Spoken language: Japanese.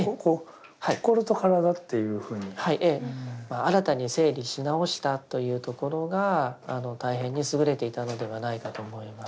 新たに整理し直したというところが大変に優れていたのではないかと思います。